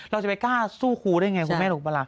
เราจะไปกล้าสู้ครูได้ไงคุณแม่ถูกปะล่ะ